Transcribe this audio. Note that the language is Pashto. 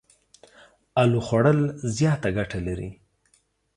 الو خوړ ل زياته ګټه لري.